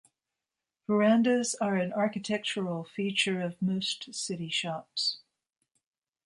Verandahs are an architectural feature of most city shops